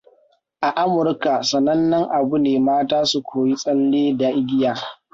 A Amurka sanannen abu ne mata su koyi tsalle da igiya.